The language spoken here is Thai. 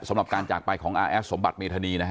สำหรับการจากไปของอาแอดสมบัติเมธานีนะฮะ